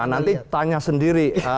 nanti tanya sendiri